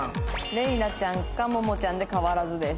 レイラちゃんかももちゃんで変わらずです。